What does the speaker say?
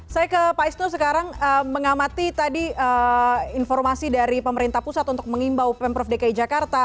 saya ke pak isnu sekarang mengamati tadi informasi dari pemerintah pusat untuk mengimbau pemprov dki jakarta